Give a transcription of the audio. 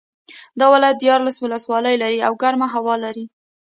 دا ولایت دیارلس ولسوالۍ لري او ګرمه هوا لري